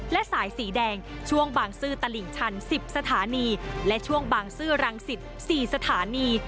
และสายสีแดงช่วงบางซื่อตลิ่งชัน๑๐สถานีและช่วงบางซื่อรังสิต๔สถานี